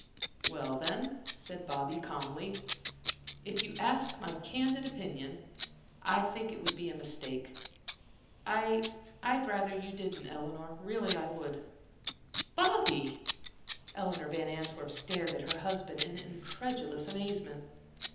"Well, then," said Bobby, calmly, "if you ask my candid opinion, I think it would be a mistake. I I'd rather you didn't Eleanor, really I would." "Bobby," Eleanor Van Antwerp stared at her husband in incredulous amazement.